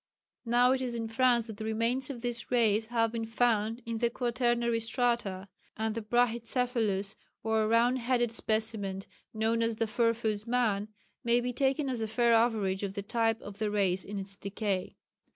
Now it is in France that remains of this race have been found in the quaternary strata, and the brachycephalous, or round headed specimen known as the "Furfooz man," may be taken as a fair average of the type of the race in its decay.